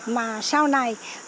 mà sau này